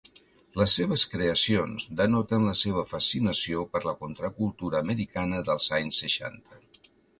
Les seves creacions denoten la seva fascinació per la contracultura americana dels anys seixanta.